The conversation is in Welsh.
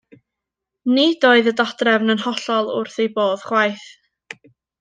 Nid oedd y dodrefn yn hollol wrth ei bodd ychwaith.